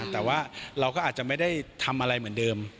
แต่ว่าเราก็อาจจะไม่ได้ทำอะไรเหมือนเดิม